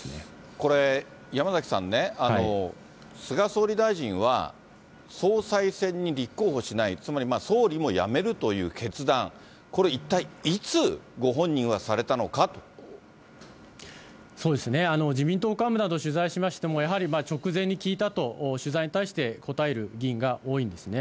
これ、山崎さんね、菅総理大臣は、総裁選に立候補しない、つまり、総理も辞めるという決断、これ、一体いつ、そうですね、自民党幹部などを取材しましても、やはり直前に聞いたと、取材に対して答える議員が多いんですね。